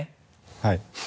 はい。